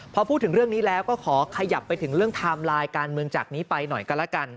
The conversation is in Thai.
พอพูดถึงเรื่องนี้แล้วก็ขอขยับไปถึงเรื่องไทม์ไลน์การเมืองจากนี้ไปหน่อยก็แล้วกัน